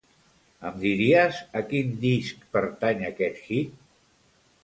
Em diries a quin disc pertany aquest hit?